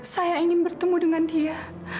saya ingin bertemu dengan dia